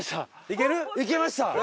いけました！